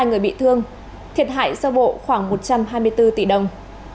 hai người bị thương thiệt hại sơ bộ khoảng một trăm hai mươi bốn tỷ đồng